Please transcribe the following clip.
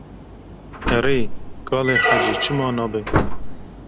Erê, kalê hecî, çima nabe.